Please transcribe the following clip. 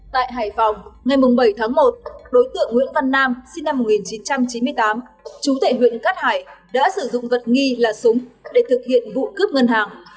tại hải phòng ngày bảy tháng một đối tượng nguyễn văn nam sinh năm một nghìn chín trăm chín mươi tám chú tệ huyện cát hải đã sử dụng vật nghi là súng để thực hiện vụ cướp ngân hàng